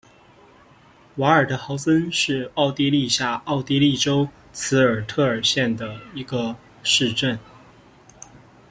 瓦尔德豪森是奥地利下奥地利州茨韦特尔县的一个市镇。